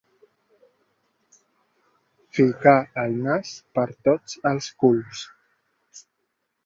Ficar el nas per tots els culs.